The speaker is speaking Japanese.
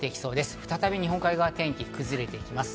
再び日本海側は天気が崩れてきます。